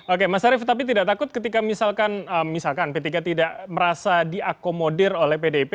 oke mas arief tapi tidak takut ketika misalkan p tiga tidak merasa diakomodir oleh pdip